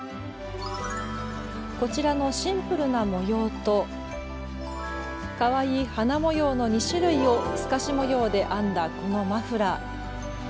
こちらのシンプルな模様とかわいい花模様の２種類を透かし模様で編んだこのマフラー。